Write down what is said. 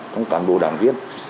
công tác đồ đảng viên